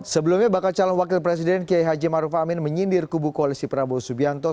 sebelumnya bakal calon wakil presiden kiai haji maruf amin menyindir kubu koalisi prabowo subianto